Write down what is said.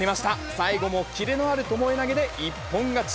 最後もキレのあるともえ投げで一本勝ち。